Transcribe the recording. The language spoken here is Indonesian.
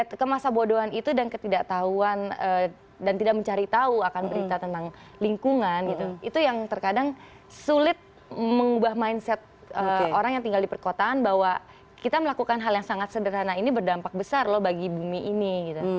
jadi itu masalah bodohan itu dan ketidaktahuan dan tidak mencari tahu akan berita tentang lingkungan gitu itu yang terkadang sulit mengubah mindset orang yang tinggal di perkotaan bahwa kita melakukan hal yang sangat sederhana ini berdampak besar loh bagi bumi ini gitu